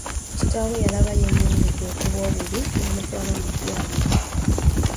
Kitaawe yalaba yeeyongedde okuba obubi n'amutwala mu ddwaliro.